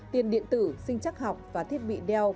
tiền điện tử sinh chắc học và thiết bị đeo